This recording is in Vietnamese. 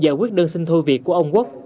giải quyết đơn sinh thu việt của ông quốc